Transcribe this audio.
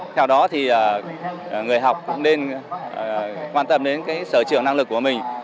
theo đó thì người học cũng nên quan tâm đến cái sở trưởng năng lực của mình